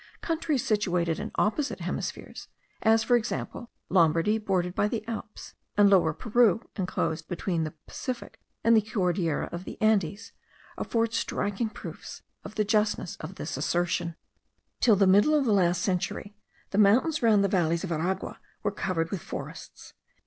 Countries situated in opposite hemispheres, as, for example, Lombardy bordered by the Alps, and Lower Peru inclosed between the Pacific and the Cordillera of the Andes, afford striking proofs of the justness of this assertion. Till the middle of the last century, the mountains round the valleys of Aragua were covered with forests.